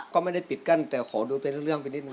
ก็ไม่ได้ปิดกั้นแต่ขอดูเป็นเรื่องไปนิดนึ